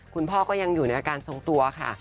ก็ยังอยู่ในอาการทรงตัวค่ะ